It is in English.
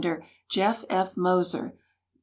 Jeff. F. Moser, U.